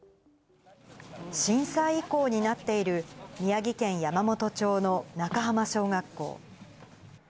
震災遺構になっている、宮城県山元町の中浜小学校。